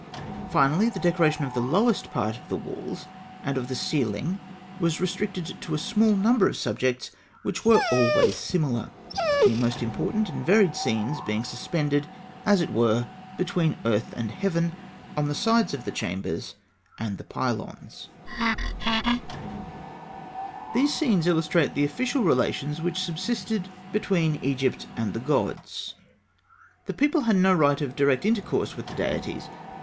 Finally, the decoration of the lowest part of the walls and of the ceiling was restricted to a small number of subjects, which were always similar: the most important and varied scenes being suspended, as it were, between earth and heaven, on the sides of the chambers and the pylons. [Illustration: Fig. 105. Zodiacal circle of Denderah.] These scenes illustrate the official relations which subsisted between Egypt and the gods. The people had no right of direct intercourse with the deities.